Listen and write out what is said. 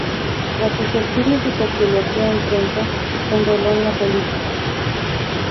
Tras sus estudios de Sociología en Trento se enroló en la política.